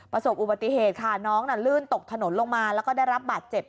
ประสบอุบัติเหตุค่ะน้องน่ะลื่นตกถนนลงมาแล้วก็ได้รับบาดเจ็บ